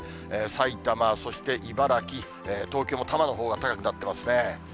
埼玉、そして茨城、東京も多摩のほうが高くなっていますね。